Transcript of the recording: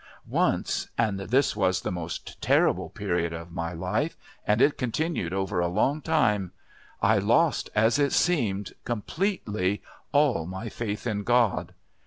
Once and this was the most terrible period of my life, and it continued over a long time I lost, as it seemed, completely all my faith in God.